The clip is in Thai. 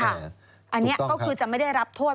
อันนี้ก็คือจะไม่ได้รับโทษ